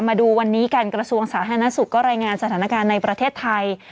มาดูวันนี้กันกระทรวงสาธารณสุขก็รายงานสถานการณ์ในประเทศไทย